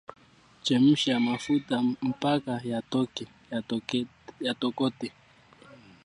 Chemsha mafuta mpaka yatokote